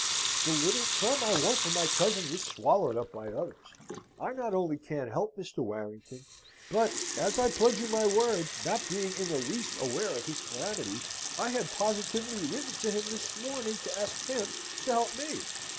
The little sum I won from my cousin was swallowed up by others. I not only can't help Mr. Warrington, but, as I pledge you my word, not being in the least aware of his calamity, I had positively written to him this morning to ask him to help me."